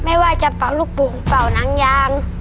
ไม่ว่าจะเป่าลูกโป่งเป่าหนังยาง